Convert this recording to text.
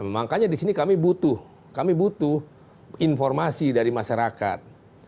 makanya di sini kami butuh informasi dari masyarakat